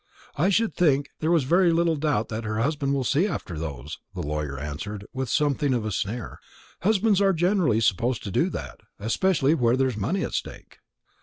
"I should think there was very little doubt that her husband will see after those," the lawyer answered, with something of a sneer; "husbands are generally supposed to do that, especially where there is money at stake."